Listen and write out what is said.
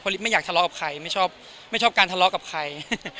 เพราะว่าไม่อยากทะเลาะกับใครไม่ชอบการทะเลาะกับใคร